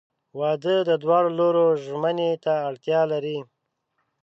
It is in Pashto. • واده د دواړو لورو ژمنې ته اړتیا لري.